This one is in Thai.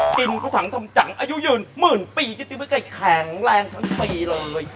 กินก็ถังทำจังอายุยืนหมื่นปีก็จะไม่เคยแข็งแรงทั้งปีเลย